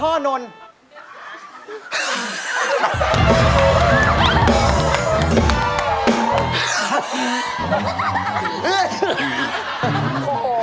พ่อนนท์